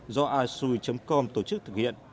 do asui com tổ chức thực hiện